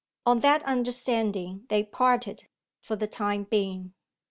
On that understanding they parted, for the time being.